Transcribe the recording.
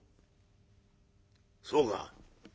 「そうか。